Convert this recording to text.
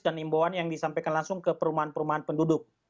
dan imbauan yang disampaikan langsung ke perumahan perumahan penduduk